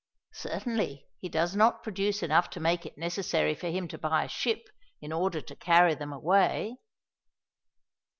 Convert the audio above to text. Certainly he does not produce enough to make it necessary for him to buy a ship in order to carry them away."